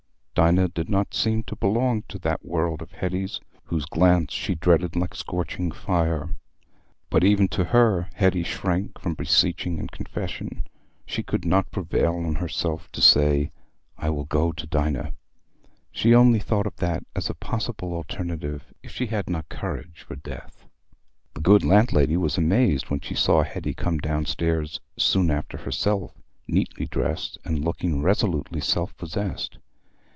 Dinah did not seem to belong to that world of Hetty's, whose glance she dreaded like scorching fire. But even to her Hetty shrank from beseeching and confession. She could not prevail on herself to say, "I will go to Dinah": she only thought of that as a possible alternative, if she had not courage for death. The good landlady was amazed when she saw Hetty come downstairs soon after herself, neatly dressed, and looking resolutely self possessed.